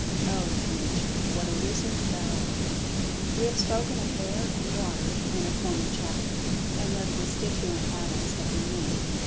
Oh, Nature, what a wizard thou art! We have spoken of Air and Water, in a former chapter, and their constituent atoms have been named.